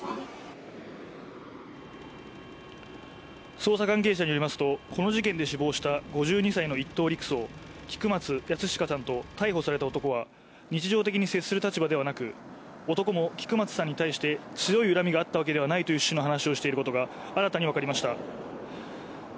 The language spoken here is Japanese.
捜査関係者によりますと、この事件で死亡した５２歳の一等陸曹菊松安親さんと逮捕された男は、日常的に接する立場ではなく、男も菊松さんに対して強い恨みがあったわけではないという趣旨の話をしていることが新たにわかりました。